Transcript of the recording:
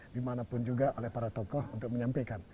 dimanapun juga oleh para tokoh untuk menyampaikan